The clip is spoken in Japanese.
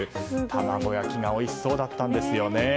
卵焼きがおいしそうだったんですよね。